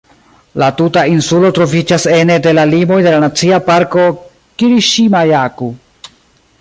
La tuta insulo troviĝas ene de la limoj de la Nacia Parko "Kiriŝima-Jaku".